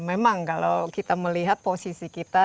memang kalau kita melihat posisi kita